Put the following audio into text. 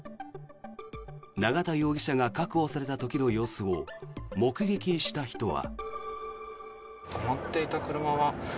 永田容疑者が確保された時の様子を目撃した人は。